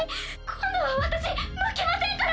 今度は私負けませんから！